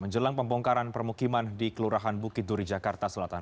menjelang pembongkaran permukiman di kelurahan bukit duri jakarta selatan